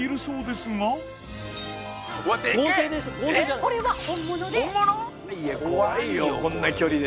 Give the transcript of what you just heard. これは本物で。